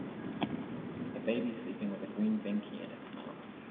A baby sleeping with a green Binky in its mouth.